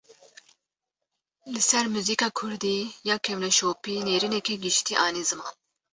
Li ser muzika Kurdî ya kevneşopî, nêrîneke giştî anî ziman